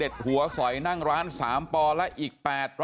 โปสเตอร์โหมโตรงของทางพักเพื่อไทยก่อนนะครับ